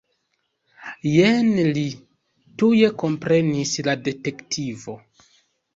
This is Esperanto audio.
Jen li, tuj komprenis la detektivo.